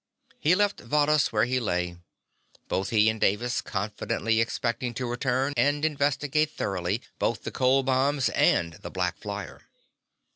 He left Varrhus where he lay. Both he and Davis confidently expected to return and investigate thoroughly both the cold bombs and the black flyer.